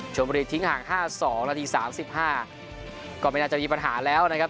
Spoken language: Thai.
ชนบุรีทิ้งห่างห้าสองนาทีสามสิบห้าก็ไม่น่าจะมีปัญหาแล้วนะครับ